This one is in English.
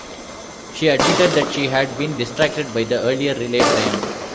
She admitted that she had been distracted by the earlier relay triumph.